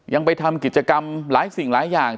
ยังไปทำกิจกรรมหลายสิ่งหลายอย่าง